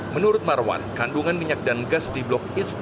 menurut marwan kandungan minyak dan gas di blok s